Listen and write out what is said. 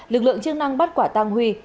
lực lượng chức năng bắt quả tăng huy